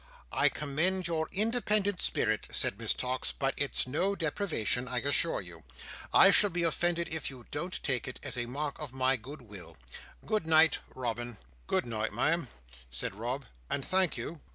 "I commend your independent spirit," said Miss Tox, "but it's no deprivation, I assure you. I shall be offended if you don't take it, as a mark of my good will. Good night, Robin." "Good night, Ma'am," said Rob, "and thank you!"